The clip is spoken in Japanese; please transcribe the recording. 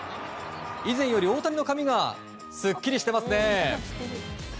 以前より大谷の髪がスッキリしてますね。